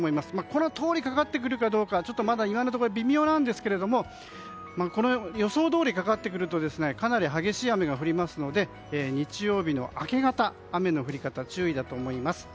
このとおりにかかってくるかどうかは今のところは微妙なんですけれども予想どおりかかってくるとかなり激しい雨が降りますので日曜日の明け方、雨の降り方注意だと思います。